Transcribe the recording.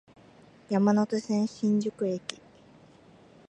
山手線、新宿駅